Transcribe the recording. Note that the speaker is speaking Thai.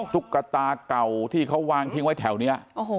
ตุ๊กตาเก่าที่เขาวางทิ้งไว้แถวนี้